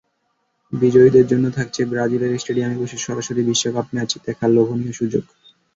বিজয়ীদের জন্য থাকছে ব্রাজিলের স্টেডিয়ামে বসে সরাসরি বিশ্বকাপ ম্যাচ দেখার লোভনীয় সুযোগ।